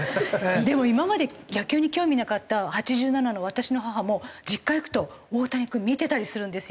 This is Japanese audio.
でも今まで野球に興味なかった８７の私の母も実家行くと大谷君見てたりするんですよ。